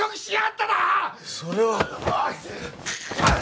それは。